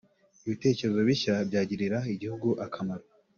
ibitekerezo bishya byagirira Igihugu akamaro